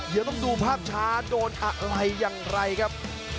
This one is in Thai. เดี๋ยวต้องดูภาพช้าโดนอะไรอย่างไรครับ